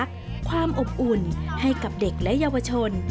เป็นความรักความอบอุ่นให้กับเด็กและเยาวชน